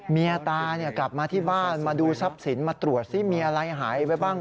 เมียตากลับมาที่บ้านมาดูทรัพย์สินมาตรวจซิมีอะไรหายไปบ้าง